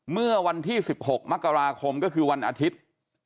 เมื่อวันที่๑๖มกราคมก็คือวันอาทิตย์